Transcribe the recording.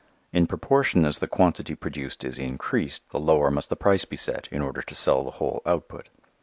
In proportion as the quantity produced is increased the lower must the price be set in order to sell the whole output.